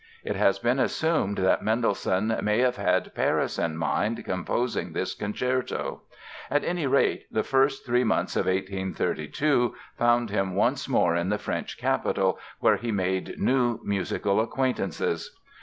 It has been assumed that Mendelssohn may have had Paris in mind composing this concerto. At any rate, the first three months of 1832 found him once more in the French capital, where he made new musical acquaintances.